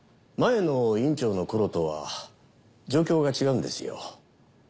前の院長の頃とは状況が違うんですよ。